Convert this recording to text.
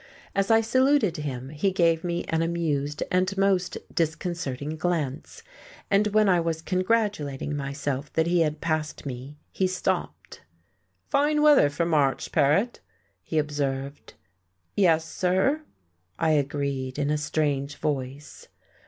As I saluted him he gave me an amused and most disconcerting glance; and when I was congratulating myself that he had passed me he stopped. "Fine weather for March, Paret," he observed. "Yes, sir," I agreed in a strange voice.